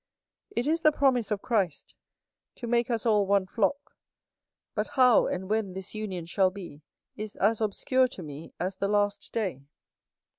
It is the promise of Christ, to make us all one flock: but how and when this union shall be, is as obscure to me as the last day.